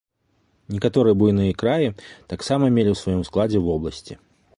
Некаторыя буйныя краі таксама мелі ў сваім складзе вобласці.